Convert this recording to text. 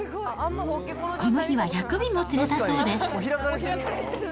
この日は１００尾も釣れたそうです。